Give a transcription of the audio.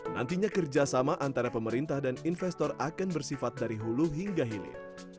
nantinya kerjasama antara pemerintah dan investor akan bersifat dari hulu hingga hilir